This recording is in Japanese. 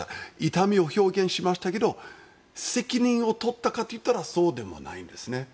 痛みを表現しましたけど責任を取ったかと言ったらそうでもないんですね。